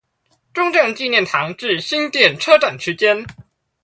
中正紀念堂至新店車站區間